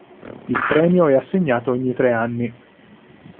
Il premio è assegnato ogni tre anni.